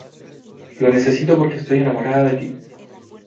lo necesito porque estoy enamorada de ti.